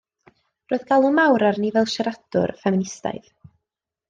Roedd galw mawr arni fel siaradwr ffeministaidd.